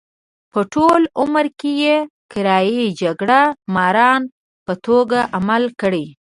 په ټول عمر کې یې کرایي جګړه مارانو په توګه عمل کړی.